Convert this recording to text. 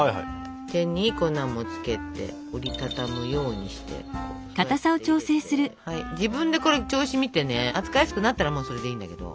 手に粉もつけて折り畳むようにしてこうやって入れて自分でこれ調子を見てね扱いやすくなったらもうそれでいいんだけど。